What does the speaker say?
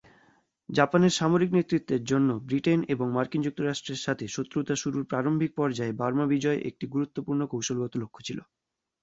জাপানের সামরিক নেতৃত্বের জন্য, ব্রিটেন এবং মার্কিন যুক্তরাষ্ট্রের সাথে শত্রুতা শুরুর প্রারম্ভিক পর্যায়ে বার্মা বিজয় একটি গুরুত্বপূর্ণ কৌশলগত লক্ষ্য ছিল।